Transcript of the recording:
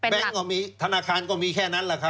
ก็มีธนาคารก็มีแค่นั้นแหละครับ